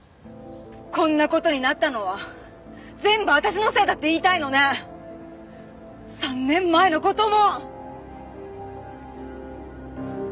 こんな事になったのは全部私のせいだって言いたいのね３年前の事も！